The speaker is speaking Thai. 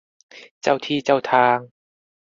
เจ้าที่เจ้าทาง